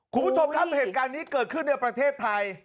คุณผู้ชมครับเหตุการณ์นี้เกิดขึ้นในประเทศไทย